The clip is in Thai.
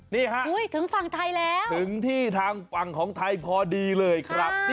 นี่ฮะถึงฝั่งไทยแล้วถึงที่ทางฝั่งของไทยพอดีเลยครับ